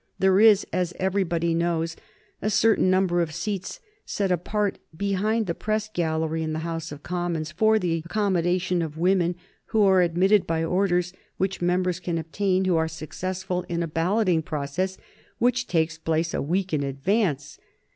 There is, as everybody knows, a certain number of seats set apart behind the Press gallery in the House of Commons for the accommodation of women, who are admitted by orders which members can obtain who are successful in a balloting process which takes place a week in advance.